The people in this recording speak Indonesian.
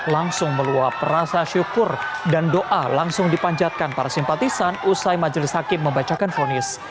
langsung meluap rasa syukur dan doa langsung dipanjatkan para simpatisan usai majelis hakim membacakan fonis